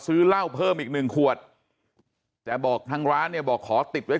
ซื้อเหล้าเพิ่มอีกหนึ่งขวดแต่บอกทางร้านเนี่ยบอกขอติดไว้